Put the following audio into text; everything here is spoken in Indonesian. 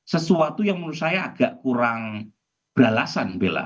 sesuatu yang menurut saya agak kurang beralasan bella